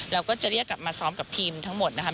เราก็จะเรียกกลับมาซ้อมกับทีมทั้งหมดนะครับ